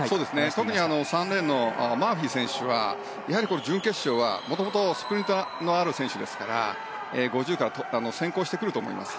特に３レーンのマーフィー選手は準決勝は、元々スプリントのある選手ですから５０から先行してくると思います。